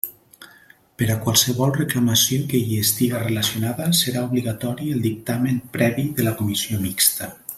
Per a qualsevol reclamació que hi estiga relacionada, serà obligatori el dictamen previ de la Comissió Mixta.